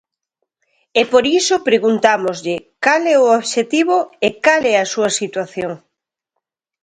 E por iso preguntámoslle cal é o obxectivo e cal é a súa situación.